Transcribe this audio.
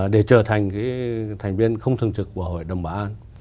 để trở thành thành viên không thường trực của hội đồng bảo an